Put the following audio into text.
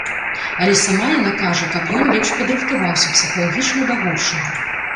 Але сама яна кажа, каб ён лепш падрыхтаваўся псіхалагічна да горшага.